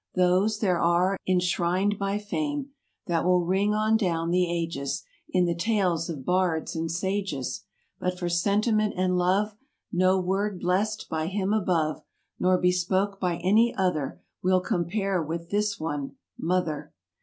Those, there are, enshrined by fame That will ring on down the ages In the tales of bards and sages; But for sentiment and love No'word blest by Him above. Nor bespake by any other. Will compare with this one,—"Mother."